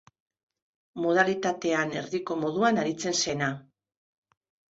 Modalitatean erdiko moduan aritzen zena.